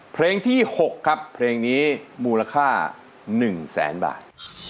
เพลงที่๖ครับเพลงนี้มูลค่า๑แสนบาท